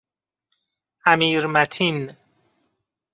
امیرمتین